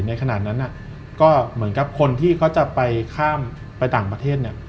ในขณะนั้นก็เหมือนกับคนที่เขาจะไปข้ามไปต่างประเทศเนี่ย